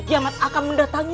kiamat akan mendatangi